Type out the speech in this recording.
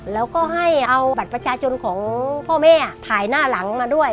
แล้วก็ให้เอาบัตรประชาชนของพ่อแม่ถ่ายหน้าหลังมาด้วย